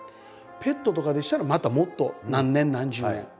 ペットとかでしたらまたもっと何年何十年。